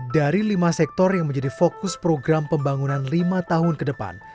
dari lima sektor yang menjadi fokus program pembangunan lima tahun ke depan